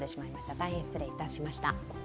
大変失礼いたしました。